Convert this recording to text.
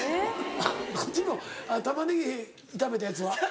こっちの玉ねぎ炒めたやつは？